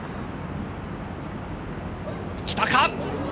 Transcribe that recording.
来たか？